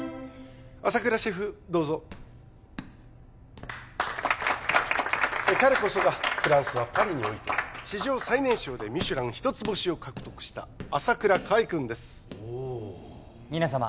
朝倉シェフどうぞ彼こそがフランスはパリにおいて史上最年少でミシュラン一つ星を獲得した朝倉海くんです・おお皆様